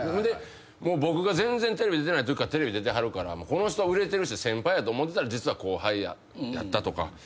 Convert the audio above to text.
で僕が全然テレビ出てないときからテレビ出てはるからこの人は売れてるし先輩やと思ってたら実は後輩やったとか。